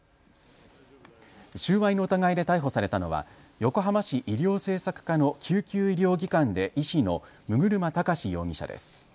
収賄の疑いで逮捕されたのは横浜市医療政策課の救急医療技官で医師の六車崇容疑者です。